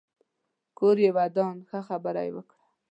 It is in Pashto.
کور يې ودان ښه خبره يې وکړه